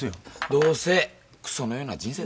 どうせクソのような人生だから。